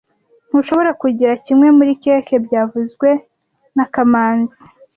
Ntushobora kugira kimwe muri keke byavuzwe na kamanzi